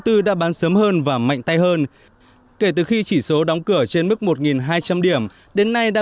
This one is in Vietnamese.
tư đã bán sớm hơn và mạnh tay hơn kể từ khi chỉ số đóng cửa trên mức một hai trăm linh điểm đến nay đã